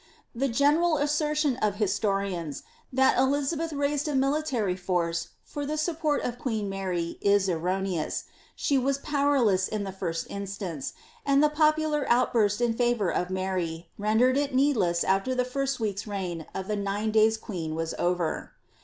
The general assertion of historians that Elizabeth raised a nilitary force for the support of queen Mary is erroneous; she was powerless in the first instance, and the popular outburst in favour of Mary, rendered it needless after the first week^s reign of the nine days queen was over.